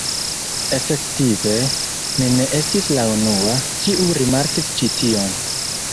Efektive, mi ne estis la unua, kiu rimarkis ĉi tion.